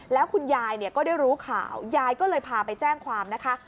แล้วคุณยายเนี่ยก็ได้รู้ข่าวยายก็เลยพาไปแจ้งความนะคะ